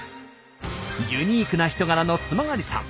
ユニークな人柄の津曲さん。